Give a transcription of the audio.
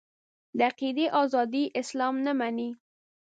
د عقیدې ازادي اسلام نه مني.